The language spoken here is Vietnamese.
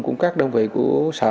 cũng các đơn vị của sở